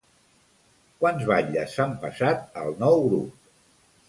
Quants batlles s'han passat al nou grup?